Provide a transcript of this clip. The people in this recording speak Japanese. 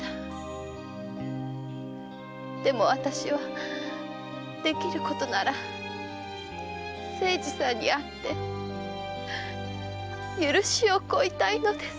でも私はできることなら清次さんに会って許しを請いたいのです！